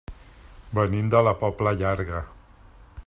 Venim de la Pobla Llarga.